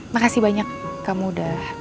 makasih banyak kamu udah